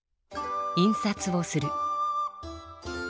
印刷をする。